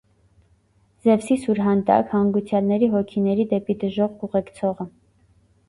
Զևսի սուրհանդակ, հանգուցյալների հոգիների դեպի դժոխք ուղեկցողը։